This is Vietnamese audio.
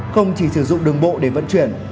không chỉ sử dụng đường bộ để vận chuyển